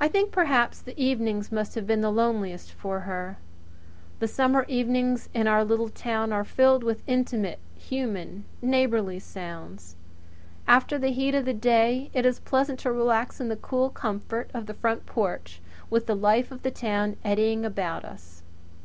I think perhaps the evenings must have been the loneliest for her. The summer evenings in our little town are filled with intimate, human, neighbourly sounds. After the heat of the day it is infinitely pleasant to relax in the cool comfort of the front porch, with the life of the town eddying about us.